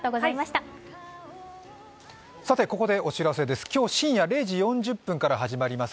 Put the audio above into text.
ここでお知らせです。